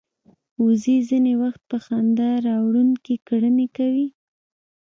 وزې ځینې وخت په خندا راوړونکې کړنې کوي